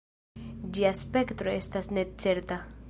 Ĝia spektro estas necerta.